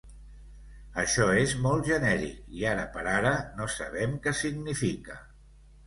Això és molt genèric i, ara per ara, no sabem què significa.